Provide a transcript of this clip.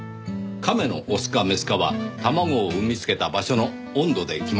カメのオスかメスかは卵を産みつけた場所の温度で決まるそうでしてね。